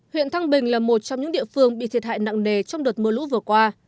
huyện thăng bình là một trong những địa phương bị thiệt hại nặng nề trong đợt mưa lũ vừa qua